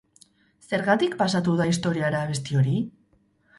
Zergatik pasatu da historiara abesti hori?